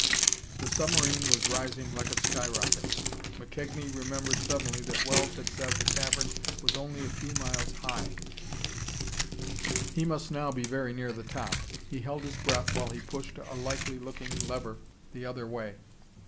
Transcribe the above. The submarine was rising like a sky rocket. McKegnie remembered suddenly that Wells had said the cavern was only a few miles high; he must now be very near the top. He held his breath while he pushed a likely looking lever the other way.